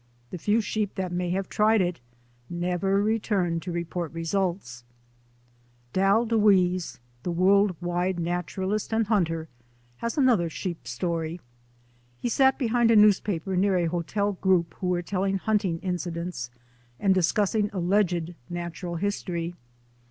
The few sheep that may have tried it never returned to report results. 215 216 THE ADVENTURES OF A NATURE GUIDE Dall DeWees, the world wide naturalist and hun ter, has another sheep story. He sat behind a news paper near a hotel group who were telling hunting incidents and discussing alleged natural history.